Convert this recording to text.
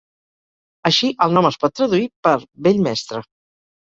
Així, el nom es pot traduir per 'Vell mestre'.